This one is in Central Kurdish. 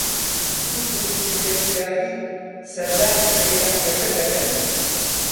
دوو گرووپی گەشتیاری سەردانی سەیرانگەکە دەکەن